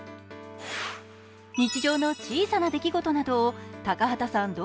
日常の小さな出来事などを高畑さん